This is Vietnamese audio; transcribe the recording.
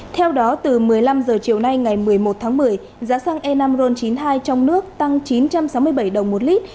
theo đó từ một mươi năm h chiều nay ngày một mươi một tháng một mươi giá xăng e năm ron chín mươi hai trong nước tăng chín trăm sáu mươi bảy đồng một lít